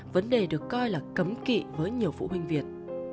vấn đề được coi là cấm kỵ với nhiều phụ huynh việt